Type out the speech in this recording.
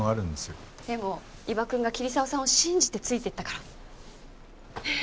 でも伊庭くんが桐沢さんを信じてついていったから。